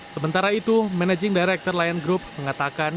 sementara itu managing director lion group mengatakan